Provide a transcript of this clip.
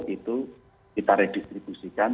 itu kita redistribusikan